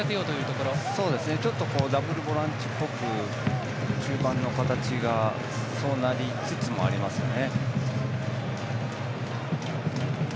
ダブルボランチっぽく中盤の形がそうなりつつもありますよね。